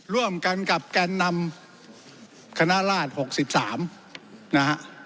ร่วมกันกับแกนนำคณะราช๖๓นะฮะ